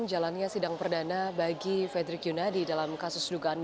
jalannya sidang perdana bagi fredrik yunadi dalam kasus dugaan